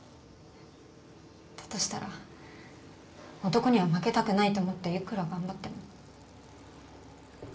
だとしたら男には負けたくないと思っていくら頑張っても。